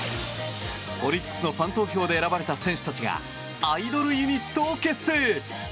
オリックスのファン投票で選ばれた選手たちがアイドルユニットを結成。